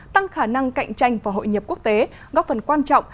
tăng khả năng cạnh tranh và hội nhập quốc tế góp phần quan trọng